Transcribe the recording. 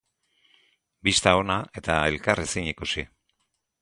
Bista ona eta elkar ezin ikusi.